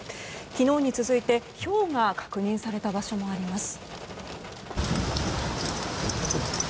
昨日に続いて、ひょうが確認された場所もあります。